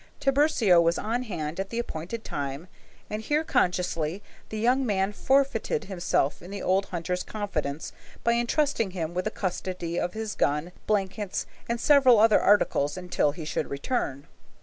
Tiburcio was on hand at the appointed time, and here unconsciously the young man fortified himself in the old hunter's confidence by intrusting him with the custody of his gun, blankets, and several other articles until he should return.